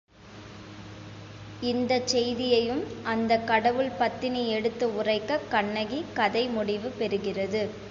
இந்தச் செய்தியையும் அந்தக் கடவுள்பத்தினி எடுத்து உரைக்கக் கண்ணகி கதை முடிவு பெறுகிறது.